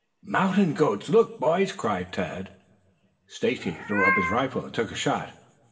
"Mountain goats? Look, boys!" cried Tad. Stacy threw up his rifle and took a shot.